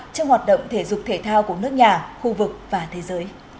trong hoạt động thể dục thể thao của nước nhà khu vực và thế giới